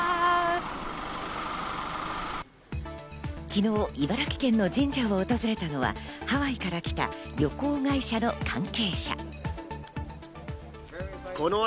昨日、茨城県の神社を訪れたのはハワイから来た旅行会社の関係者。